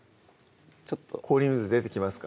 ちょっと氷水出てきますか？